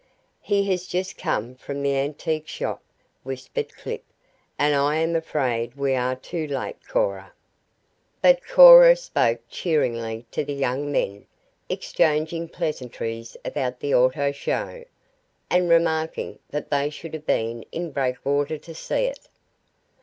"He has just come from the antique shop," whispered Clip, "and I am afraid we are too late, Cora." But Cora spoke cheerily to the young men, exchanging pleasantries about the auto show, and remarking that they should have been in Breakwater to see it.